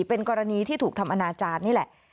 เป็นกรณีที่ถูกทำอนาจารย์นี่แหละ